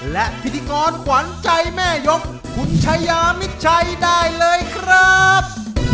และพิธีกรขวัญใจแม่ยกคุณชายามิดชัยได้เลยครับ